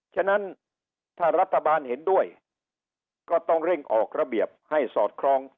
ฉะนั้นถ้ารัฐบาลเห็นด้วยก็ต้องเร่งออกระเบียบให้สอดคล้อง